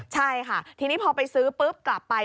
ใช่ค่ะทีนี้พอไปซื้อปุ๊บกลับไป